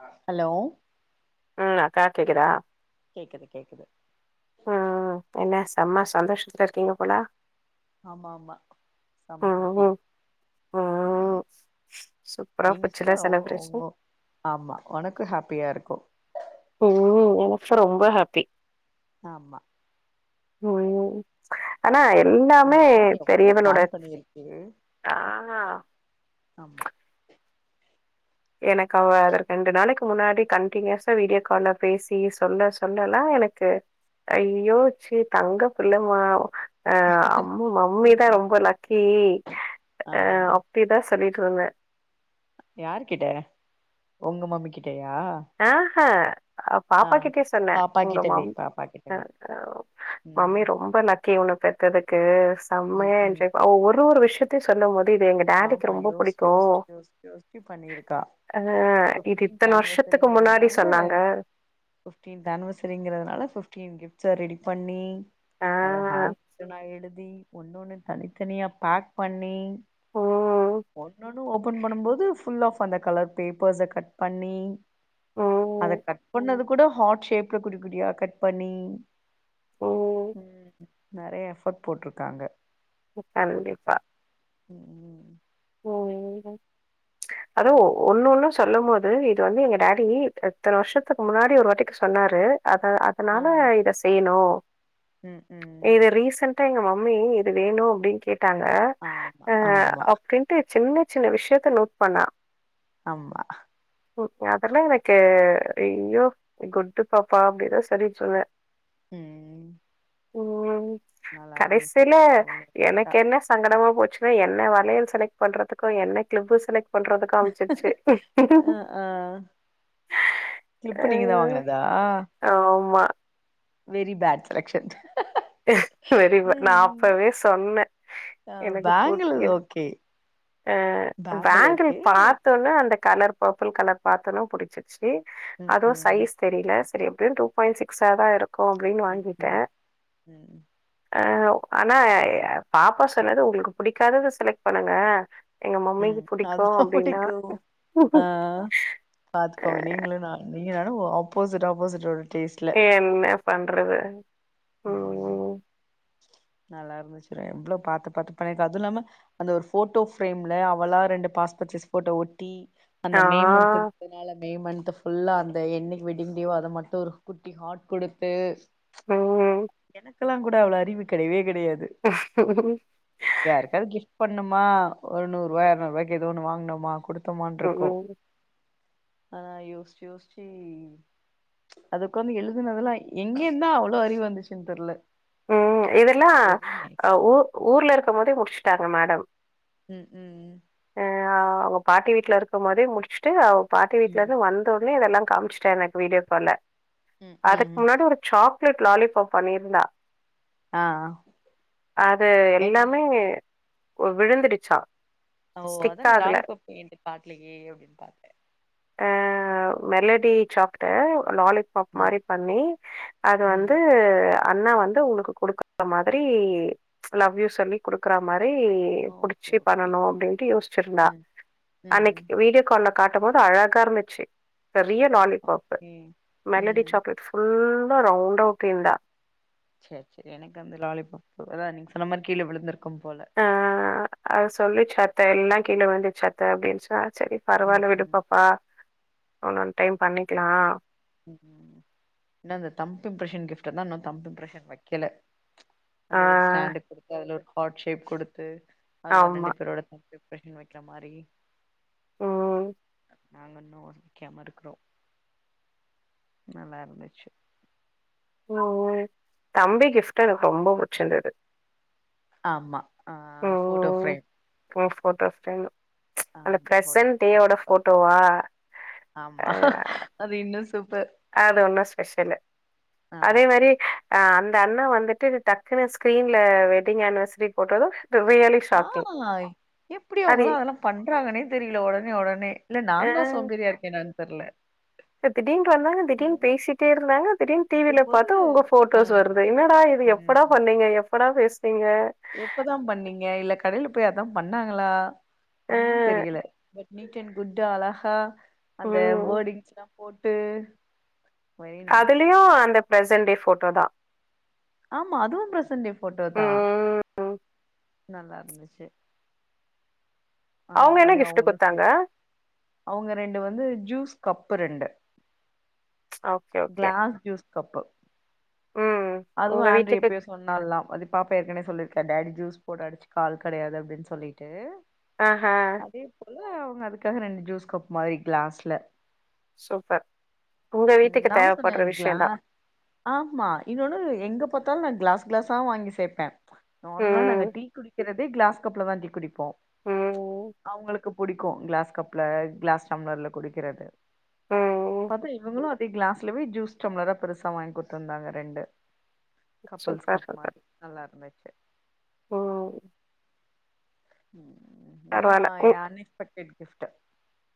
ஹ ஹலோ உம் காத் கேக்குதா கேக்குது கேக்குது செம்மா சந்தோஷத்துல இருக்கீங்க போல்லா ஆமா ஆமா ஆம ம் ஹாப்பி ம் ம் சூப்பரா நீங்க கூட போச்சுல ஒங்க ஒங்க செலப்ரேஷன் ஆமா உனக்கு ஹாப்பியா இருக்கும் செம்ப ஹாப்பி ஆமா உம் ஆனா எப் எல்லாமே அந்த பொண்ணு எவ்ளோ பெரியவளேட பிளான் பண்ணிருக்கு தா ஆமா எனக்கு அவ அதற்கு ரெண்டு நாளைக்கு முன்னாடி கண்டனியூஸா வீடியோ கால்ல பேசி சொல்ல சொல்லலா எனக்கு ஐயோ ச்சி தங்க பிள்ளமா அவ அஹ் அம்மு ம், மம்மிதான் ம். ரொம்ப லக்கி ஆ அஹ் அப்படிதான் சொல்லிட்டு தூங்க யாரு கிட்ட உங்க மம்மி கிட் ஆஹ்ஹ அவ ஆ பாப்பா கிட்டயே சொன்னேன் பாப்பா உங்க கிட்டவே மாம்ஹ பாப்பா கிட்டவே மம்மி ம் ரொம்ப நக்கி உண்ணு பெத்ததுக்கு கே ம் செம்மைய ம் இன்யூ ஒரு ஒரு விஷயத் ந்து சொல்லும் போது ஆமா யோசிச் யோசிச் யோசிச் யோசிச்சு பண்ணிருக்கா அ இது ஃபிப்டீன்ந்த் இத்தன வருஷத்துக்கு ஆனிவர்சரிங் முன்னாடி ங்கறதுனால சொன்னாங்க." ஃபிப்டீன்ந்த் ஆனிவர்சரிங்கிறதுனால ஃபிப்டீன் கிஃப்ட்ஸ ரெடி பண்ணி ஆ. அத ஹாம்ப் நா எழுதி ஒன்னொன்னு தனித்தனியா பேக் பண்ணி ம். ஒண்ணொன்னு ஓபன் பண்ணும்போது ஃபுல் ஆஃப் அந்த கலர் பேப்பர்ஸ கட் பண்ணி அத ம். கட் பண்ணது கூட ஹாட் ஷேப்ல குட்டி குட்டியா கட் பண்ணி ம். உம் நெறைய எஃபர்ட் போட்ருக்காங்க கண்டிப்பா உம் உம் ம்ஹ்ஹு அதும் ஒண்ணு ஒண்ணும் சொல்லும் போது இது வந்து எங்க டாடி எத்தன வருஷத்துக்கு முன்னாடி ஒரு வாட்டிக்கு சொன்னாரு அத அதனால இத செய்யணு உம் உம் ட்டா எங்க மம்மி இது வேணு அப்படின்னு கேட் ட்டாங்க ஆமா அஹ் ஆமா அப் அப்டின்ட்டு சின்ன சின்ன விஷயத்த நோட் பண்ணா ஆமா உம் அதெல்லா எனக்கு ஐயோ குட்டு பாப்பா அப்டினுதா சொல்லிட்ருந்தேன் உம் ம் கடைசில அவ்ளோ எஃபர்ட்டா எனக்கு என்ன சங்கடமா போச்சு ஆ என்ன வளையல்ஸ் செலக்ட் பண்றதுக்கு என்ன க்ளிப்பு செலக்ட் பண்றது காமிச்சிருச்சு அ ஆ கிளிப்பு நீங்க தா அஹ் வாங்குனதா ஆமா வெரி பேட் செலெக்ஷன் [unintelligible] நான் அப்பவே சொன்னே ஆ எனக்கு பேங்கிள் [unintelligible] ஓகே ஆஹ் பேங்கிள் பேங்களூர்க்கு பாத்தோன்னே அந்த கலர் பர்பிள் கலர் பாத்தோனே புடிச்சு ச்சு ம் அதுவு ம் சைஸ் தெரியல செரியா இதும் டூ பாயின்ட் சிக்ஸாதா இருக் க்கோகைன்னு ம் வாங்கிட்டே ம் ம் ஆஹ் ஆனா பாப்பா சொன்னது உங்களுக்கு பிடிக்காதது செலக்ட் பண்ணுங்க எங்க ம் மம்மிக்கு புடிக்கும் அததான் அப்டின்னா. புடிக்கும் ஆ ஆ அ பாத்துக்கோங்க நீங்களும் நானும் நீங்க ஓ ஆப்போசிட் ஆப்போசிட் ஒரு என்ன பண்றது ம் உஹம் நல்லா இருந்துச்சுல்ல எவ்ளோ பாத்து பாத்து பன்னிருக்கா அதுவு இல்லாம அந்த ஒரு போட்டோ பிரேம்ல அவளா ரெண்டு பாஸ்போட் சைஸ் போட்டோ ஒட்டி ஆ. அந்த மே மன்த்து [unintelligible] மே மந்த்து புல்லா அந்த எண்ணிக்கு வெட்டிங் டேவோ அத மட்டோ ஒரு குட்டி ஹார்ட் கொடுத்து ம். என்ன இப்பலா கூட அவ்ளோ லீவு கெடயவே கெட யாருக்காவது கிஃப்ட் [unintelligible] பண்ணுமா ஒரு நூறுபா இரநூறுபாய்க்கு ஏதோ ஒன்னு வாங்கினோமா கொடுத் டுமன்றுக்கோ ம். ஆ யோசிச்சு யோசிச்சு அதுக்கு வந்து எழுதுனதுெல்லா எங்கேயிந்தா அவ்ளோ அறிவு வந்துச்சுன்னு தெரியல உஹம் இதெல்லா அஹ்ஊ ஊர்ல இருக்கே போதே முடிச் [unintelligible] மேடம் உம் உம் ஆஹ் அவங்க பாட்டி வீட்ல இருக்கோ மோதே முச்சிட்டு அவ பாட்டி வீட்ல ம் இருந்து வந்த அப்பவே இதெல்லா காமிச்சுட்டே எனக்கு வீடியோக்கால்ல ம் அதுக்கு ம் முன்னாடி ஒரு சாப் கிலிக் லாலிபாப் பண்ணிருந்தா ஆ அது என் எல்லாமே ஓ விழுந்துடுச்சா ஓ அதான லலிப்பாப் என்ற அப்டி பாக்கலேயே அப்டினு பத்தே அஹ மெலடி சாக்கோ லாலிப்பாப் ம் மாரி பண்ணி அது ம் வந்து அண்ணா வந் இது உங்ளுக்கு கொடுக்குறா மாதிரி லவ் யூ சொல்லி கொடுக்குறா மாதி மத்த ப்படி ஓகே புடிச்சு ஓகே பண்ணனு அப்டிண்டு யோசிச்சிருந்தா ம் ம் அன்னிக்கு வீடியோ கால்ல காட்டம்போது அழகா இருந்துச்சு ரியல் லாலிபாப் ஓகே மெலடி ம் சாக்லேட் புல் ரவுண்டா ஒட்டிருந்த செரி செரி எனக்கு அந்த லாலிபாப்பு அதா நீங்க சொன்னா மாதிரி கீழே விழுந்துருக்கும் அம் போல ஆ அது சொல்லிச்சாத்த எல்லா கீலே வந்துச்சாத்த அப்டின்ச சரி ம் பரவால்ல ம் விடுப்பாப்பா இன்னொன் டைம் பண்ணிக்கலா ம் ம் இன்னா இந்த தம்ப் இப்ரெஷன் கிஃப்ட்டுதா இன்னு தம்ப் இம்ப்ரெஷன் வைக்கல ஆ அந்த ஒரு ஸ்டாண்டு குடுத்து அதுல இருக் ஹாட்ஷேப் கொடுத்து அதுல ஆமா. ரெண்டு பேரோட [unintelligible] ரேஷன் வைக்கிற மாரி உம் நாங்க இன்னு [unintelligible] இருக்குறோ நல்லா இருந்துச்சு ம் ம் தம்பி கிஃப்டு எனக்கு ரொம்ப புடிச்சிருந்தது ஆமா ஆ ம், ஃபோட்டோஃபிரேம் ம் ஃபோட்டோ ஃப்ரேம். அந்த ஆம் ப்ரெசன்ட் ஃபோட்டோஃபிரேம் டேவோட [unintelligible] ஃபோட்டோவா ஆமா அது இன்னு சூப்பர் அதொன்னா ஸ்பெஷலு அதே ஆமா மாரி அஹ் அந்த அண்ணா வந்துட்டு டக்குன்னு ஸ்க்ரீன்ல வெட்டிங் ஆனிவர்சரி போட்டதும் ரியலி ஷாக்கிங். ஆய் எப்டி அது அவங்கல்லா அதல்லா பண்றாங்கனே தெரியல உடனே உடனே இல்ல நான்தா சோம்பேறியா இருக்கேனான்னு தெர்ல த் திடீர்ன்ட்டு வந்தாங்க திடீர்னு பேசிட்டே இருந்தாங்க திடீர்னு டிவில இருக்கும்போது பாத்தா உங்க ஃபோட்டோஸ் ஆமா வருது என்னடா இது எப்படா ம் பண்ணீங்க எப்படா ஃபேஸ் எப்பதா பண்ணீங்க இல்ல கடையில போய் அதான் பண்ணாங்களா அ, ஒன்னும் தெரியல பட் [unintelligible] [unintelligible] அழகா அந்த ம். வோர்டிங்ஸ்லா போட்டு வெரி நைஸ் அதுலயு அந்த பிரசென்ட் டே ஃபோட்டோதா ஆமா அதுவு பிரசன்ட் டே ஃபோட்டோதா ம். நல்லா இருந்துச்சு ஆஹ் அவங்க என்ன அது கிஃப்ட் அவங்களுக்கு குடுத்தாங்க? அவங்க ரெண்டு வந்து ஜுஸ் கப்பு ரெண்டு okay okay glass juice cup ம். அதுவு உங்க ஆண்ட்ரி வீட்டுக்கு எப்பயோ சொன்னால்ல அது பாப்பா ஏற்கனவே சொல்லிருக் த டாடி ஜூஸ் போட அடிச்சுக்க ஆள் கிடயாது அப்டின்னு சொல்லிட்டு ஆஹ் ஹா இல்ல அவுங்க அதுக்காக ரெண்டு ஜூஸ் கப் மாரி கிளாஸ்ல சூபர் நானும் சொன்னேன் இலா ஆமா இன்னொன்னு எங்க பார்த்தாலும் நான் கிளாஸ் கிளாஸ்ஸா வாங்கி சேபேன் நார்மலா நாங்க ம், டீ குடிக்கிறத்தே கிளாஸ் கப்ல தா டீ குடிப்போம் ம், அவங்களுக்கு புடிக்கும் கிளாஸ் கப்ல கிளாஸ் டம்ளர்ல குடிக்கிறது ம். பத ங்களும் அதே கிளாஸ்லய ஜூஸ் சடம்ளரா பெருசா வாங்கி கொத்துருந்தாங்க ரெண்டு கபல்ஸ் சூப்பர், கப் சூப்பர். மாரி நல்லா இருந்துாச்சு ம். உம் இதெல்லாம் என் அன்எக்ஸ்பெட் ஹரேட் கிஃப்ட்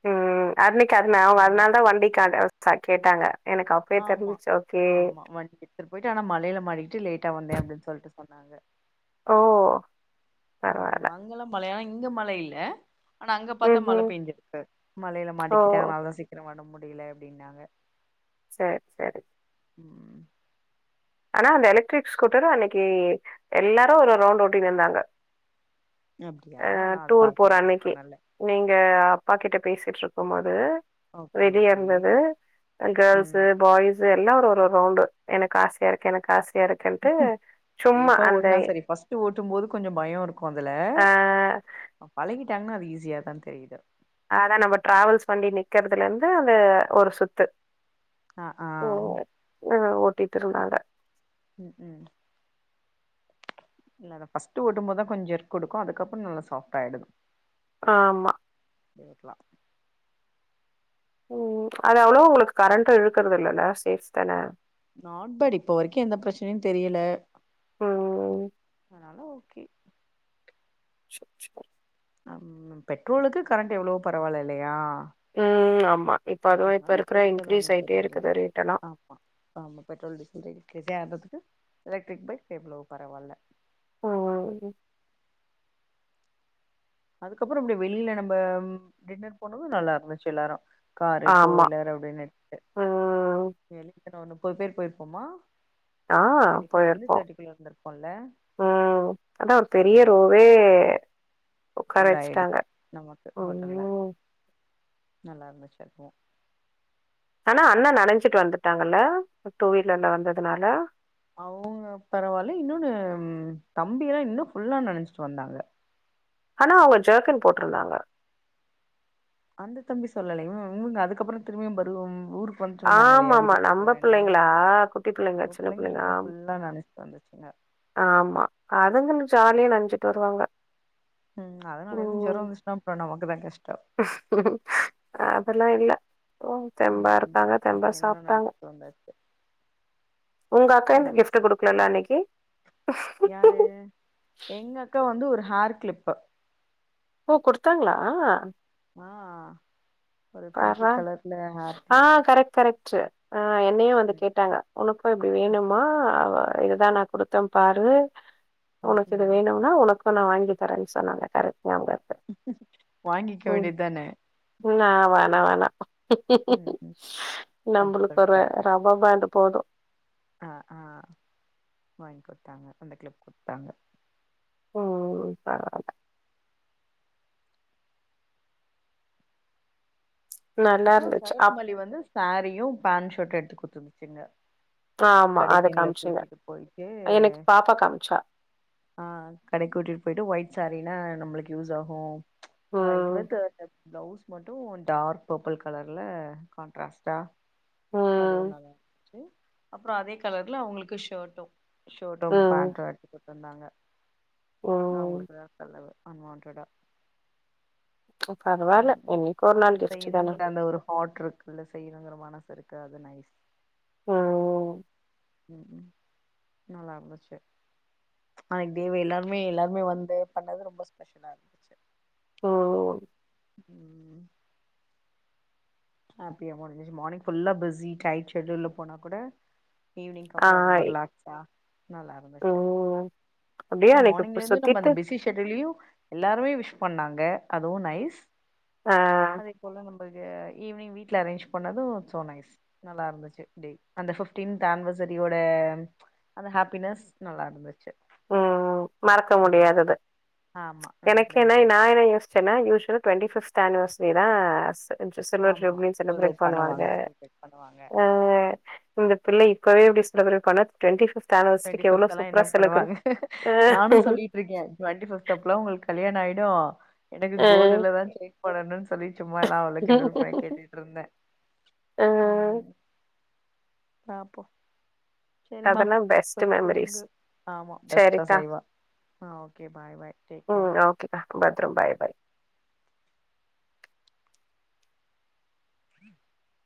உம் அன்னைக்கு அன அவன் அதனால தான் வண்டி கா சா கேட்டாங்க எனக்கு அப்பயே ஆமா தெரிஞ்சுச்சு. ஓகே. ஆமா வண்டி எடுத்துட்டு போயிட்டு ஆனா மலையில மாடிக்கிட்டு லேட்டா வந்தேன் அப்படின்னு சொல்லிட்டு சொன்னாங்க ஓ உம் பரவால்ல. மங்கல மழையானம் எங்க மலையில்ல ஆனா அங்க பாரத்தா மல ம்ஹ்ம். பெயஞ்சிருக்கு மலையில ஓ! மாட்டிக்கிட்டே அதனால தான் சீக்கிரம் வர முடி முடியல அப்படின்னாங்க சரி சரி உம் ஆனா அந்த எலக்ட்ரிக் ஸ்கூட்டரு அன்னைக்கு எல்லாரும் ஒரு ரவுண்ட் ஓட்டனு இருந்தாங்க அப்டியா அஹ் நா அது டூர் பாத்து போற நோட்டீஸ் அன்னைக்கு பண்ணல நீங்க பாக்கிட்ட பேசிட்டு இருக்கும் போது ஓகே வெளியா ஓகே இருந்தது கேர்ள்ஸ்ு ம் பாய்ஸ் எல்லா ஒரு ரவுண்டு எனக்கு ஆச சரிக்கு எனக்கு காசு சேஃபா ஓட்டுனா சரி பஸ்ட்ட் ஓட்டும் போது கொஞ்சம் பயம் இருக்கும் அதுல அ பழகிட்டு ட்டாங்கன்னா அது ஈஸியா தான் தெரியுது அதான் நம்ம டிராவல்ஸ் வண்டி நிக்கறதுல இருந்து அந்த ஒரு சுத்து அஹ் ஆஹ் கட்டிட்டு இருந்தாங்க உம் உம் இல்ல அத ஃபர்ஸ்ட் ஓட்டும் போதான் கொஞ்சம் எருு கொடுக்கும் அதுக்கப்புறம் நல்லா சாஃப்ட் ஆயிடுது ஆமா இருக்கலாம் உஹம் அது எ்வளோ உங்களுக்கு கரண்ட்ட இழுக்கறது இல்லல்ல சேஃப தானே நாட்பரி இப்ப வரைக்கும் எந்த பிரச்சனையும் தெரியல ம். ஆனால கே சோ சோ பெட்ரோலுக்கு கரண்ட் எவ்வளோ பரவாயில்ல இல்லையா ம். ஆமா. இப்ப அதுவும் இப்ப ஆனால இருக்கிற போத்திக்கு இன்க்ரீஸ் ஒண்ணும் ஆயிட்டே தெரியல இருக்குது ரேட் எல்லாம். ஆமா ஆமா பெட்ரோல் டீசல் இருக்கு அததுக்கு எலக்ட்ரிக் பைக் எவ்வளவு பரவாயில்ல ஹ அதுக்கப்புறம் இப்படியே வெளில நம்ம டின்னர் போனதும் நல்லா இருந்துச்சு எல்லாரும் காரு டூ ஆமா. வீலர் அப்படின்னு ம். இட்டு முப்பது பேர் போயிருப்போமா ஆஹ் டுவெண்ட்டி ஃபைவ்ல இருந்து போயிருப்போம் தேர்ட்டிக்குள்ள இருந்திருப்போம்ல உஹம் அதான் ஒரு அது பெரிய ஒன்னு ரோவே உட்கார ஃபுல் வச்சுட்டாங்க ஆயிடுச்சு நமக்கு ஹோட்டல்ல ஓம் நல்லா இருந்துச்சு அதுவும் ஆனா அண்ண நனைஞ்சிட்டு வந்துட்டாங்கல்ல டூ வீ்லர்ல வந்ததுனால அவங்க பரவாயில்ல இன்னொன்னு தம்பி எல்லாம் இன்னும் புஃபுல்லா நினைச்சிட்டு வந்தாங்க ஆனா அவங்க ஜக்கன் போட்டிருந்தாங்க அந்த தம்பி சொல்லலைங்க யும் அதுக்கப்புறம் யும் திரும்பியும்ரும் ஊருக்கு ச்சு வந்தாங்க இல்லையா ஆமாமா. வீட்டுக்கு நம்ம போயிட்டுவரேன்னு பிள்ளைங்களா? குட்டி நம்ம சின்ன பிள்ளைங்க இன்னும் ஆமா. புல்லா நினைச்சிட்டு வந்துச்சு என் ஆமா அதுங்கன்னு ஜாலியா நினசிட்டு வருவாங்க உஹம் அதனால இருந்து ம். ஜரம் வந்துச்சுன்னா அப்புறம் நமக்குதான் கஷ்டம் ஓ தெம்பா இருக்காங்க தெம்பா இன்னு சாப்பிட்டாங்க நெனச்சிட்டு வந்தாச்சு உங்க அக்கா இந்த கிஃப்ட்ட் குடுக்கலல அன்னைக்கு யாரு எங்க அக்கா வந்து ஒரு ஹேர் கிளிப்பு ஓ குடுத்தாங்களா ஆ ஒரு பிங்கி பறா கலர்ல ஹேர் ஆஹ் கிளிப்பு கரெக்ட் கரெக்ட் ஆஹ் என்னையும் வந்து ம் கேட்டாங்க உனக்கும் இப்படி வேணுமா இதுதான் நான் கொடுத்தன் பாரு ம் உனக்கு ம் இது ம் வேணும்னா உனக்கு நான் வாங்கி தரேன்னு சொன்னாங்க கரெக்ட் ஞாப [inaudible] வாங்கிக்க வேண்டியது தானே ந வோன வோனா ம் ம் அது நம்மளுக்கு ஒரு ரப்பர் பாண்டு போதும் அஹ் ஆஹ் வாங்கி கொடுத்தாங்க அந்த கிளிப் கொடுத்தாங்க ம் பரவால்ல நல்லா அப்றோ இருந்துச்சு அப் சரத்மல்லி வந்து சாரீயு பேண்ட் ஷர்ட்டு எடுத்து குடுத்துருந்துது சின்ன ஆமா அது கடைக்கு எங்கள காமிச்சீங்க கூட்டிட்டு போயிட்டு எனக்கு பாப்பா காமிச்சா. ஆஹ் கடைக்கு கூட்டிட்டு போயிட்டு ஒயிட் சாரீ என்ன நம்மளுக்கு யூஸ் ஆகு ஒயிட் ம், [unintelligible] பிளவுஸ் மட்டும் டார்க் பர்பிள் கலர்ல கான்ட்ராஸ்ட்டா அதுவு ம், நல்லா ரி அப்றோ அதே கலர்ல அவங்களுக்கு ஷர்ட்டும் ஷர்ட்டும் ம், பேன்ட்டும் எடுத்து குடுத் சொன்னாங்க ம். அவங்களுக்குதா செலவு அன்வாண்டடா ஓ பரவால்ல என்னைக்கோ ஒரு நாள் கிஃப்ட் தான ஹார்ட் இருக்கு இல்ல செய்யணுங்கற மனசு இருக்கு அது நைஸ் ம் ம் ம் நல்லா இருந்துச்சு ஆ டேவே எல்லாருமே எல்லாருமே வந்து பண்ணது ரொம்ப ஸ்பெஷலா இருந்துச்சு ம் உம் அப்பயே முடிஞ்சிச்சு மார்னிங் ஃபுல்லா பிஸி டைட் ஷெட்யூல்ல போனா கூட ஈவி்னிங்க்கு ஆ அப்றோ ரொம்ப ரிலாக்ஸா நல்லா இருந்துச்சு ம். அப்டியே னா அன்னைக்கு பு மார்னிங்ல இருந்து நம்ம சுத்திட்டு அந்த பிஸி ஷெட்யூலயு எல்லாருமே விஷ் பண்ணாங்க அதுவும் நைஸ் ஆ அதே போல நம்பளுக்கு ஈவி்னிங் வீட்ல அரேஞ்ச் பண்ணதும் சோ நைஸ் நல்லா இருந்துச்சு டே அந்த ஃப்ஃப்டீன்த் ஆனவர்சரியோட அந்த ஹாப்பினஸ் நல்லா இருந்துச்சு உம் மறக்க ம் முடியாதது ஆமா எனக்கு நல்லபடியா என்ன முடிஞ்சு நா என்ன யோசிச்சேன்னா usual twenty fifth ஆனிவர்சரிதா [unintelligible] and similar ஆமா ட்ரபளிங்ஸ இன்ன பிரேக் செலிப்ரேட் பண்ணுவாங்க செலிப்ரேட் பண்ணுவாங்க ஆ இந்த பிள்ளை ப்பவே அப்டி செலப்ரேட் பண்ணா டுவெண்டி ஃபிஃப்த் [unintelligible] வசதிக்கி எவ்ளோ சூப்பரா [unintelligible] நானும் செலப்ரேட் சொல்லிட்ருக்கே டுவெண்டி ஃபிஃப்த் அப்பலா உங்களுக்கு கல்யாண ஆயிடு எனக்கு ஆ. கோல்டுலதா செயின் போடணுன்னு சொல்லி சும்மா எல்லாம் அவள கிண்டல் பண்ணி கேட்டுட்டு இருந்தே ஆ. உம் பாப்போ சரிமா அதெல்லாம் பெஸ்ட் மெமரீஸ். போய்தூங்கு ஆமா பெஸ்டா சரிக்கா. செய்வா ஆஹ் okay bye bye take care ம். ஓகேக்கா. பத்திரம். பாய், பாய். [inaudible]